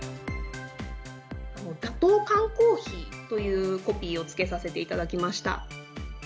打倒缶コーヒーというコピーをつけさせていただきました。